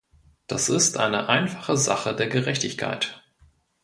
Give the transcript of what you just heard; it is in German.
Das ist eine einfache Sache der Gerechtigkeit.